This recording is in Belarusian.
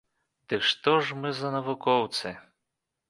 Дык што ж мы за навукоўцы?